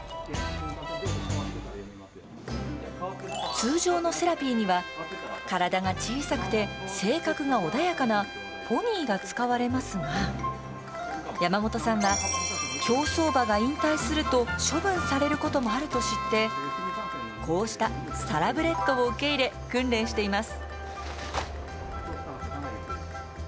通常のセラピーには体が小さくて性格が穏やかなポニーが使われますが山本さんは競走馬が引退すると処分されることもあると知ってこうしたサラブレッドを受け入れ訓練しています。